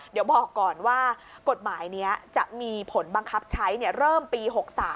เดี๋ยวบอกก่อนว่ากฎหมายนี้จะมีผลบังคับใช้เริ่มปี๖๓